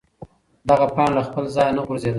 دغه پاڼه له خپل ځایه نه غورځېده.